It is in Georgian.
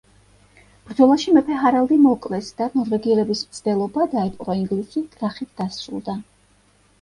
ბრძოლაში მეფე ჰარალდი მოკლეს და ნორვეგიელების მცდელობა დაეპყრო ინგლისი, კრახით დასრულდა.